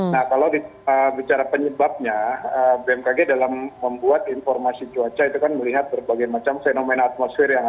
nah kalau bicara penyebabnya bmkg dalam membuat informasi cuaca itu kan melihat berbagai macam fenomena atmosfer